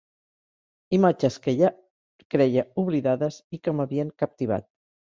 Imatges que ja creia oblidades i que m'havien captivat.